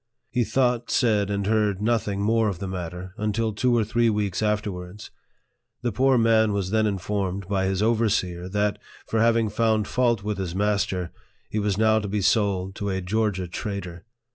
He thought, said, and heard nothing more of the matter, until two or three weeks after wards. The poor man was then informed by his over Beer that, for having found fault with his master, he was now to be sold to a Georgia trader.